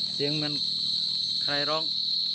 เสียงมันใครร้อง